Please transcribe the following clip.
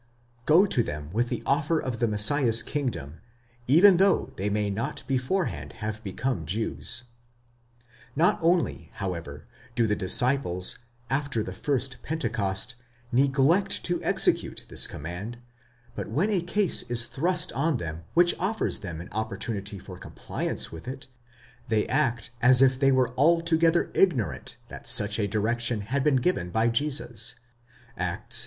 go to them with the offer of the Messiah's kingdom, even though they may not beforehand have become Jews. Not only, however, do the disciples, after the first Pentecost, neglect to execute this command, but when a case is thrust on them which offers them an opportunity for compliance with it, they act as if they were altogether ignorant that such a direction had been given by Jesus (Acts x.